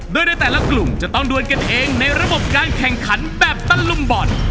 โดยในแต่ละกลุ่มจะต้องดวนกันเองในระบบการแข่งขันแบบตะลุมบ่อน